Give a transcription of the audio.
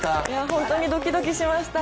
本当にドキドキしました。